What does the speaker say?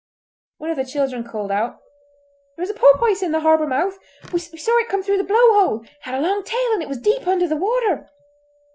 One of the children called out: "There is a porpoise in the harbour mouth! We saw it come through the blow hole! It had a long tail, and was deep under the water!"